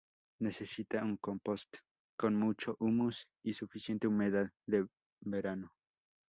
Necesita un compost con mucho humus, y suficiente humedad en verano.